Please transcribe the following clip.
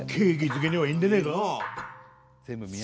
づけにはいいんでねえが？